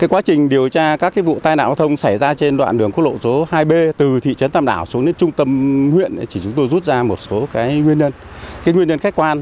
quá trình điều tra các vụ tai nạo thông xảy ra trên đoạn đường quốc lộ số hai b từ thị trấn tâm đảo xuống đến trung tâm huyện chỉ chúng tôi rút ra một số nguyên nhân